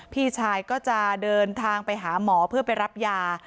พี่ชายก็จะเดินทางไปหาหมอเพื่อไปรับยา